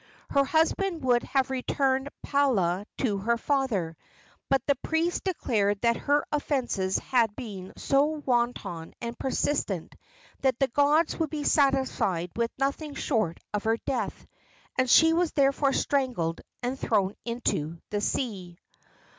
Her husband would have returned Palua to her father, but the priest declared that her offences had been so wanton and persistent that the gods would be satisfied with nothing short of her death, and she was therefore strangled and thrown into the sea.